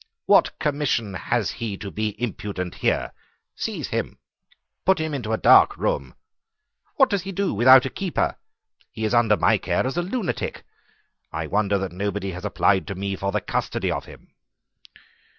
What commission has he to be impudent here? Seize him. Put him into a dark room. What does he do without a keeper? He is under my care as a lunatic. I wonder that nobody has applied to me for the custody of him."